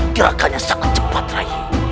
gerakannya sangat cepat rayi